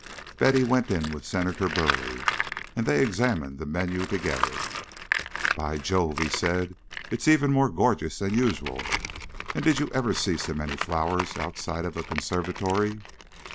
Betty went in with Senator Burleigh, and they examined the menu together. "By Jove," he said, "it's even more gorgeous than usual. And did you ever see so many flowers outside of a conservatory?"